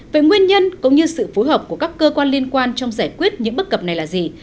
về nguyên nhân cũng như sự phối hợp của các cơ quan liên quan trong giải quyết những bất cập này là gì